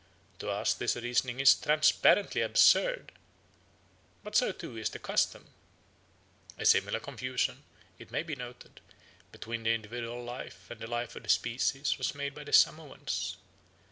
To us this reasoning is transparently absurd, but so too is the custom. A similar confusion, it may be noted, between the individual life and the life of the species was made by the Samoans.